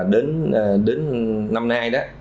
đến năm nay đó